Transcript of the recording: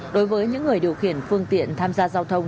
đối với những người điều khiển phương tiện tham gia giao thông